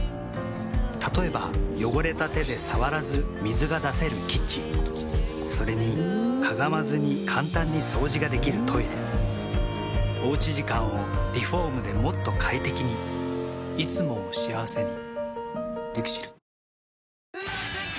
例えば汚れた手で触らず水が出せるキッチンそれにかがまずに簡単に掃除ができるトイレおうち時間をリフォームでもっと快適にいつもを幸せにＬＩＸＩＬ。